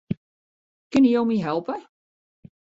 Kinne jo my helpe?